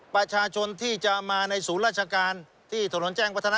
ประชาชนที่จะมาในศูนย์ราชการที่ถนนแจ้งวัฒนา